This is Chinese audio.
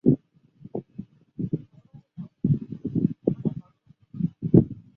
毛叶杯锥为壳斗科锥属下的一个种。